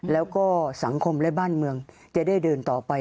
แล้วก็สังคมและบ้านเมืองจะได้เดินต่อไป